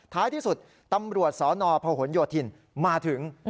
ท้ายที่สุดตำรวจสนพหนโยธินมาถึง